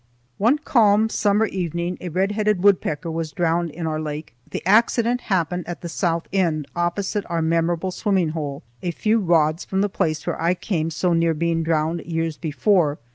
One calm summer evening a red headed woodpecker was drowned in our lake. The accident happened at the south end, opposite our memorable swimming hole, a few rods from the place where I came so near being drowned years before.